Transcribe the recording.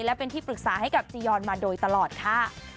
และเป็นที่ปรึกษาให้กับจียอนมาโดยตลอดค่ะ